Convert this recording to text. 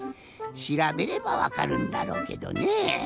しらべればわかるんだろうけどねえ。